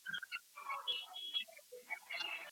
ژبه د ژوند وسيله ده.